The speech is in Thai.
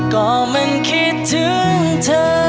ก็มันคิดถึงเธอ